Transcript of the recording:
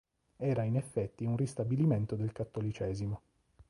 Era in effetti un ristabilimento del cattolicesimo.